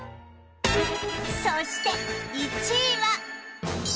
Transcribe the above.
そして１位は